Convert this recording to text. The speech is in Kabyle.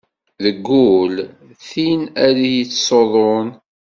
Deg ul tin ad yettṣuḍun.